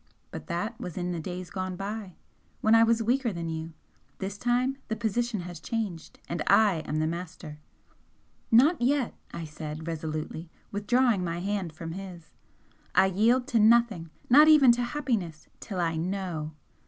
but that was in the days gone by, when I was weaker than you. This time the position has changed and I am master!" "Not yet!" I said, resolutely, withdrawing my hand from his "I yield to nothing not even to happiness till I KNOW!"